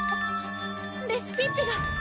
レシピッピが！